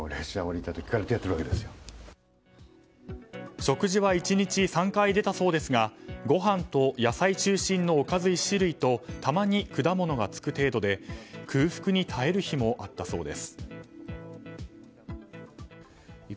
食事は１日３回出たそうですがご飯と野菜中心のおかず１種類とたまに果物がつく程度で空腹に耐える日もあったそうです。